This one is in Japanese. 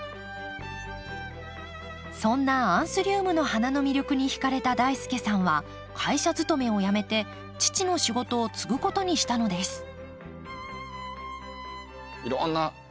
そんなアンスリウムの花の魅力にひかれた大輔さんは会社勤めをやめて父の仕事を継ぐことにしたのです。